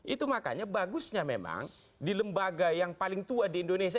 itu makanya bagusnya memang di lembaga yang paling tua di indonesia